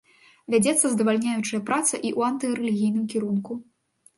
Вядзецца здавальняючая праца і ў антырэлігійным кірунку.